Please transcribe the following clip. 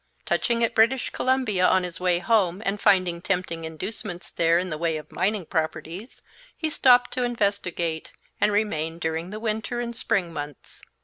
Touching at British Columbia on his way home and finding tempting inducements there in the way of mining properties, he stopped to investigate, and remained during the winter and spring months.